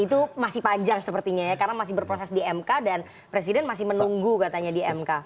itu masih panjang sepertinya ya karena masih berproses di mk dan presiden masih menunggu katanya di mk